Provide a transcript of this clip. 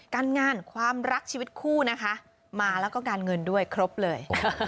การงานความรักชีวิตคู่นะคะมาแล้วก็การเงินด้วยครบเลย